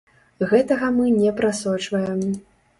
Гэтага мы не прасочваем.